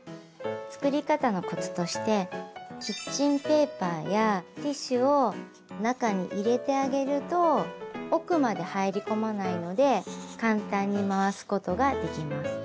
作り方のコツとしてキッチンペーパーやティッシュを中に入れてあげると奥まで入り込まないので簡単に回すことができます。